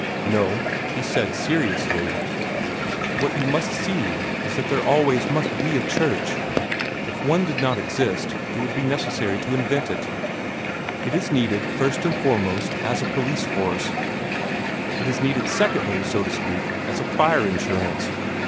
"No," he said seriously; "what you must see is that there must always be a church. If one did not exist, it would be necessary to invent it. It is needed, first and foremost, as a police force. It is needed, secondly, so to speak, as a fire insurance.